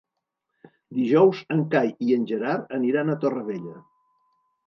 Dijous en Cai i en Gerard aniran a Torrevella.